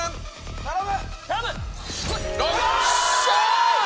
頼む！